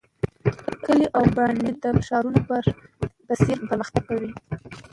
کلي او بانډې د ښارونو په څیر پرمختګ کوي.